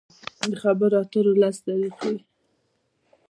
د خبرو اترو لس طریقې: